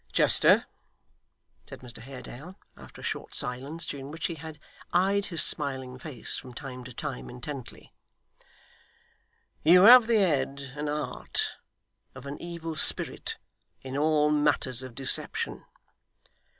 'Chester,' said Mr Haredale, after a short silence, during which he had eyed his smiling face from time to time intently, 'you have the head and heart of an evil spirit in all matters of deception.